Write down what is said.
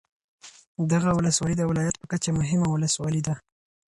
دغه ولسوالي د ولایت په کچه مهمه ولسوالي ده